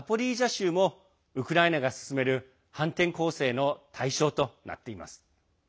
州もウクライナが進める反転攻勢の対象となっています。